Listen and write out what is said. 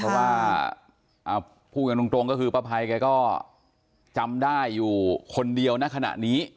เพราะว่าพูดกันตรงก็คือป้าภัยแกก็จำได้อยู่คนเดียวนะขณะนี้